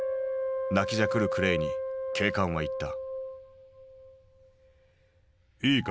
泣きじゃくるクレイに警官は言った。